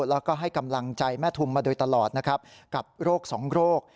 แล้วก็ให้กำลังใจแม่ทุมมาโดยตลอดนะครับกับโรคสองโรค